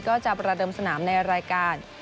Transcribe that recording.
ก็จะประเดิมสนามในรายการ